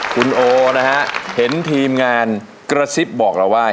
คุณโอนะฮะเห็นทีมงานกระซิบบอกเราว่า